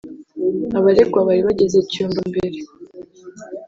Abaregwa bari bageze cyumba mbere